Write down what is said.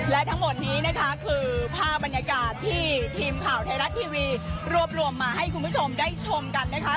และทั้งหมดนี้นะคะคือภาพบรรยากาศที่ทีมข่าวไทยรัฐทีวีรวบรวมมาให้คุณผู้ชมได้ชมกันนะคะ